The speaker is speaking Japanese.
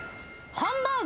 ハンバーグ。